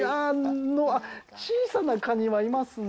あっ、小さなカニはいますね。